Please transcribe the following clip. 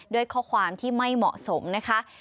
ด้วยข้อความที่ไม่เหมาะสมนะคะ